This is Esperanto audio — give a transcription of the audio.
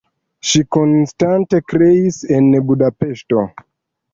Ŝi konstante kreis en Budapeŝto.